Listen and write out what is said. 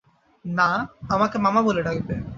না, আমাকে মামা বলে ডাকবে।